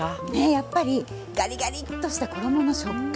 やっぱりガリガリッとした衣の食感